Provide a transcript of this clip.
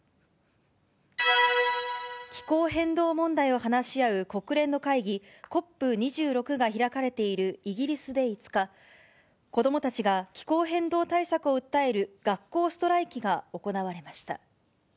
気候変動問題を話し合う国連の会議、ＣＯＰ２６が開かれているイギリスで５日、子どもたちが気候変動対策を訴える学校ストライキが行われました。